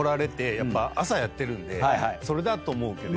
やっぱ朝やってるんでそれだと思うけど。